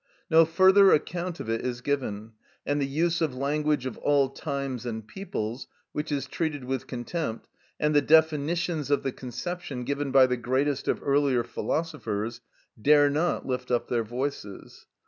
No further account of it is given, and the use of language of all times and peoples, which is treated with contempt, and the definitions of the conception given by the greatest of earlier philosophers, dare not lift up their voices.